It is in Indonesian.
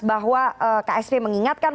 bahwa ksp mengingatkan